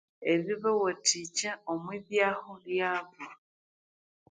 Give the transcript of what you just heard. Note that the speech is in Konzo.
ebibawathikya omwibyahu byabu